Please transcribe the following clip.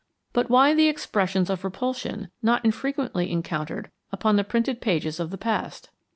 But why the expressions of repulsion not infrequently encountered upon the printed pages of the past?